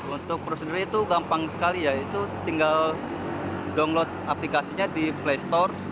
untuk prosedurnya itu gampang sekali ya itu tinggal download aplikasinya di play store